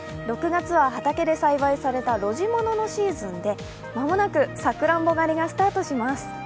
６月は、畑で栽培された露地もののシーズンで間もなく、さくらんぼ狩りがスタートします。